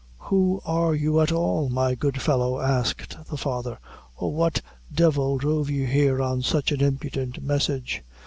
"Who are you at all, my good fellow?" asked the father; "or what devil drove you here on such an impudent message?